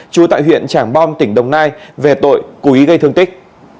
trú tại huyện trảng bom tỉnh đồng nai về tội cú ý gây thương tích